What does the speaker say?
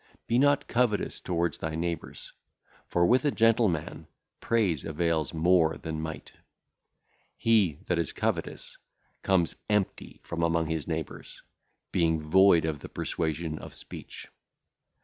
Be not covetous toward thy neighbours; for with a gentle man praise availeth more than might. He [that is covetous] cometh empty from among his neighbours, being void of the persuasion of speech.